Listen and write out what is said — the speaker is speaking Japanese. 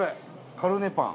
カルネパン。